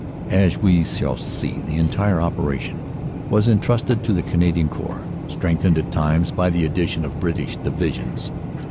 109 110 CANADA S HUNDRED DAYS As we shall see, the entire operation was entrusted to the Canadian Corps, strengthened at times by the addition of British Divisions.